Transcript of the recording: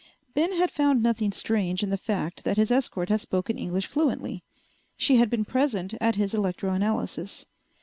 Ben had found nothing strange in the fact that his escort had spoken English fluently. She had been present at his electroanalysis.